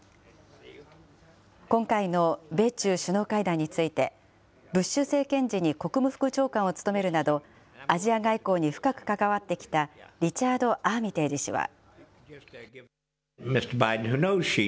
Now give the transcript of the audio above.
今回の米中首脳会談について、ブッシュ政権時に国務副長官を務めるなど、アジア外交に深く関わってきたリチャード・アーミテージ氏は。